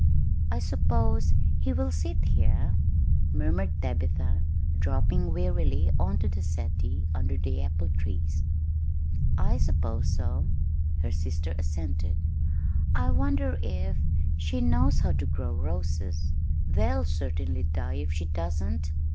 "I suppose he will sit here," murmured Tabitha, dropping wearily on to the settee under the apple trees. "I suppose so," her sister assented. "I wonder if she knows how to grow roses; they'll certainly die if she doesn't!"